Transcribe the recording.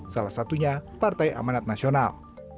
salah satunya partai amanat nasional